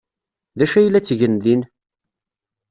D acu ay la ttgen din?